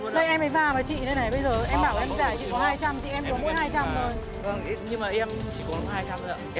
đây em phải và bà chị đây này